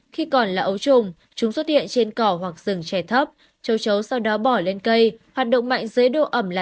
khi còn là ấu trùng chúng xuất hiện trên cỏ hoặc rừng trẻ thấp châu chấu sau đó bỏ lên cây hoạt động mạnh dưới độ ẩm là